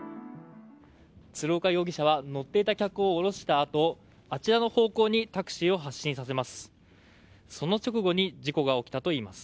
鶴岡容疑者は乗っていた客を降ろしたあとあちらの方向にタクシーを発進させます。